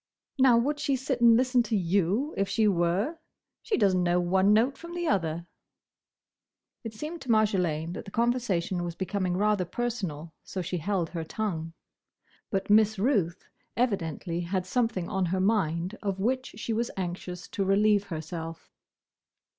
"Now, would she sit and listen to you if she were? She does n't know one note from another." It seemed to Marjolaine that the conversation was becoming rather personal, so she held her tongue. But Miss Ruth evidently had something on her mind of which she was anxious to relieve herself.